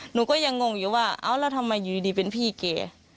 หนูก็ยังงงอยู่ว่าเอาแล้วทำไมอยู่ดีเป็นพี่แก